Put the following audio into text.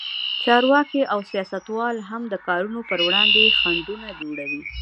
چارواکي او سیاستوال هم د کارونو پر وړاندې خنډونه جوړوي.